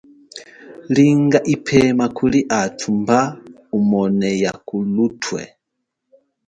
Linga ipema kuli athu mba umone yakuluthwe.